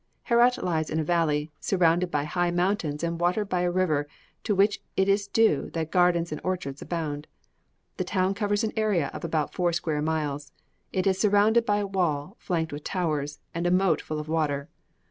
Herat lies in a valley, surrounded by high mountains and watered by a river, to which it is due that gardens and orchards abound. The town covers an area of about four square miles; it is surrounded by a wall flanked with towers, and a moat full of water.